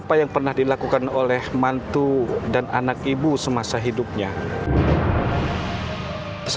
saya minta maaf bukan maksud saya mencari kesalahan tapi agar kita bisa